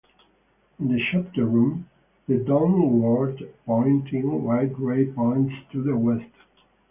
In the Chapter room, the downward-pointing white ray points to the West.